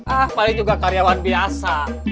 ah paling juga karyawan biasa